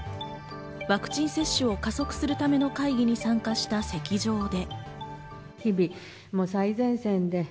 ワクチン接種を加速するための会議に参加した席上で。